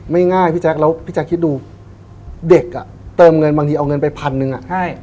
ง่ายพี่แจ๊คแล้วพี่แจ๊คคิดดูเด็กอ่ะเติมเงินบางทีเอาเงินไปพันหนึ่งอ่ะใช่